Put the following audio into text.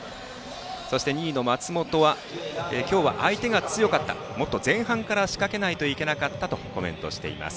そして、２位の松本は今日は相手が強かったもっと前半から仕掛けないといけなかったとコメントしています。